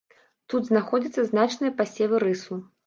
Тут знаходзяцца значныя пасевы рысу.